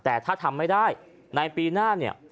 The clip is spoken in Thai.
แต่ถ้าทำไม่ได้ในปีหน้าเนี่ย